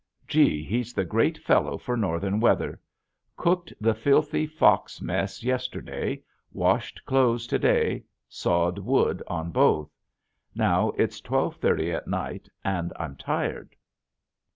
Gee, he's the great fellow for northern weather. Cooked the filthy fox mess yesterday, washed clothes to day, sawed wood on both. Now it's twelve thirty at night and I'm tired.